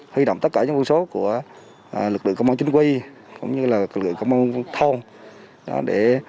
huy động tất cả những quân số của lực lượng công an chính quy cũng như lực lượng công an thông để